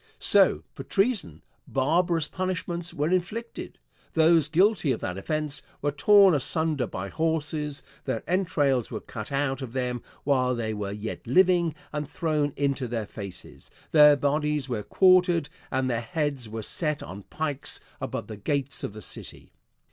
So, for treason, barbarous punishments were inflicted. Those guilty of that offence were torn asunder by horses; their entrails were cut out of them while they were yet living and thrown into their faces; their bodies were quartered and their heads were set on pikes above the gates of the city.